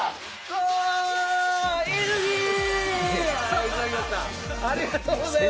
ありがとうございます！